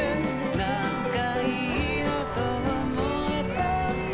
なんかいいなと思えたんだ